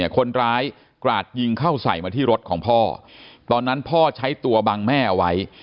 คนร้ายกราดยิงเข้าใส่มาที่รถของพ่อตอนนั้นพ่อใช้ตัวบังแม่เอาไว้